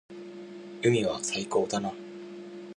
海は最高だな。